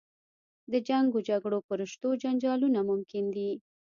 د جنګ و جګړو په رشتو جنجالونه ممکن دي.